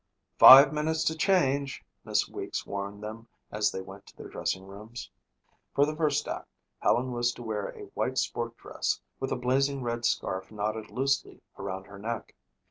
"Five minutes to change," Miss Weeks warned them as they went to their dressing rooms. For the first act Helen was to wear a white sport dress with a blazing red scarf knotted loosely around her neck.